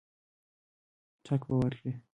ټګ به ورکړي.